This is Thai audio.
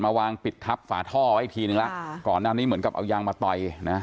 วางปิดทับฝาท่อไว้อีกทีนึงแล้วก่อนหน้านี้เหมือนกับเอายางมาต่อยนะ